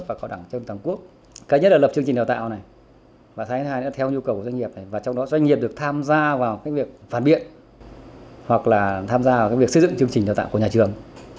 và thay thế này nó theo nhu cầu doanh nghiệp này và trong đó doanh nghiệp được tham gia vào các việc phản biện hoặc là tham gia vào các việc xây dựng chương trình đào tạo của nhà trường